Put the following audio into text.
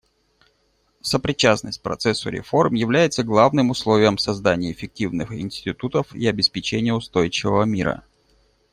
Сопричастность процессу реформ является главным условием создания эффективных институтов и обеспечения устойчивого мира.